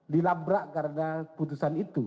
dilabrak karena putusan itu